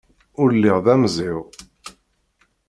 Ur lliɣ d amẓiw.